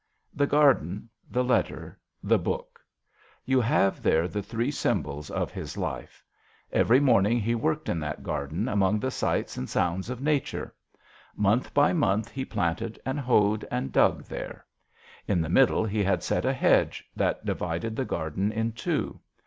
The garden the letter the book ! You have there the three symbols of his life. Every morning he worked in that garden among the sights and sounds of nature. Month by month he planted and hoed and dug there. In the middle he had set a hedge that divided the garden in two.